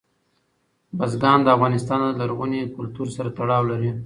بزګان د افغانستان له لرغوني کلتور سره تړاو لري.